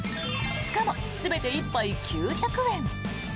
しかも、全て１杯９００円。